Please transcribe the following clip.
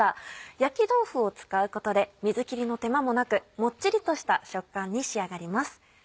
焼き豆腐を使うことで水切りの手間もなくもっちりとした食感に仕上がります。